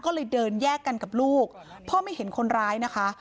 ก็เลยเดินแยกกันกับลูกพ่อไม่เห็นคนร้ายนะคะ